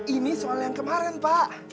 ini soal yang kemarin pak